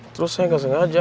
terus saya gak sengaja